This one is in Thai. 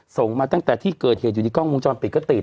ส่งมาตั้งแต่ที่เกิดเหตุอยู่ในกล้องวงจรปิดก็ติด